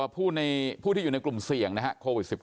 ผู้ที่อยู่ในกลุ่มเสี่ยงนะครับ